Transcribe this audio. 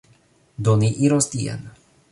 Do, ni iros tien